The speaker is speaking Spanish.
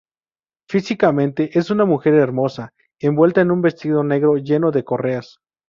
Físicamente, es una mujer hermosa envuelta en un vestido negro lleno de correas.